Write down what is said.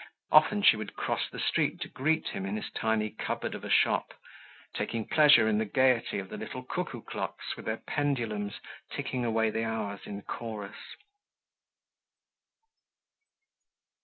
Often she would cross the street to greet him in his tiny cupboard of a shop, taking pleasure in the gaiety of the little cuckoo clocks with their pendulums ticking away the hours in chorus.